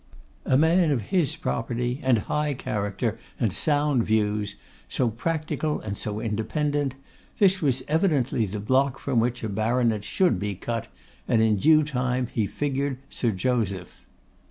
A man of his property, and high character, and sound views, so practical and so independent, this was evidently the block from which a Baronet should be cut, and in due time he figured Sir Joseph.